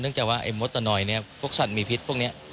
เนื่องจากว่าไอ้มดตัวหน่อยพวกสัตว์มีพิษพวกนี้